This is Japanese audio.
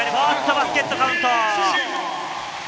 バスケットカウント。